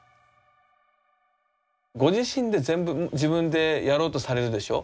ご自身で全部自分でやろうとされるでしょ？